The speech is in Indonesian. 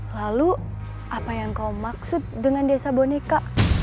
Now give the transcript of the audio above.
lalu apa yang kau maksud dengan desa boneka